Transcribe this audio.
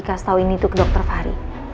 kas tau ini tuh ke dokter fahri